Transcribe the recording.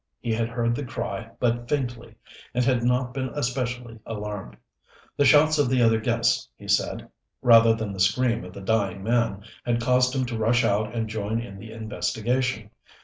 He had heard the cry but faintly, and had not been especially alarmed. The shouts of the other guests, he said, rather than the scream of the dying man, had caused him to rush out and join in the investigation.